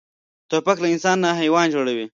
توپک له انسان نه حیوان جوړوي.